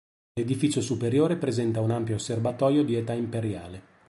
L'edificio superiore presenta un ampio serbatoio di età imperiale.